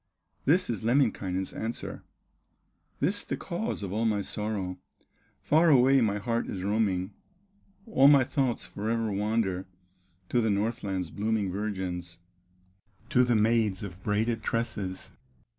This is Lemminkainen's answer: "This the cause of all my sorrow; Far away my heart is roaming, All my thoughts forever wander To the Northland's blooming virgins, To the maids of braided tresses.